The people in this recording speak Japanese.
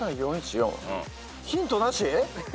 ヒントなし？